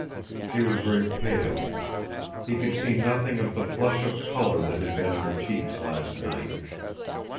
She was very pale. He could see nothing of the flush of color that had been in her cheeks last night.